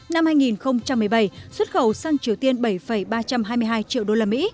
năm hai nghìn một mươi bảy xuất khẩu sang triều tiên bảy ba trăm hai mươi hai triệu usd